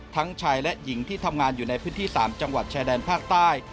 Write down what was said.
ชายและหญิงที่ทำงานอยู่ในพื้นที่๓จังหวัดชายแดนภาคใต้